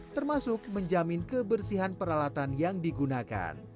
termasuk menjamin kebersihan peralatan yang digunakan